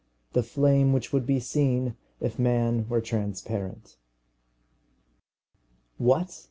THE FLAME WHICH WOULD BE SEEN IF MAN WERE TRANSPARENT. What!